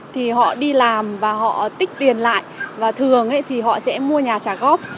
thì họ đi làm và họ tích tiền lại và thường thì họ sẽ mua nhà trả góp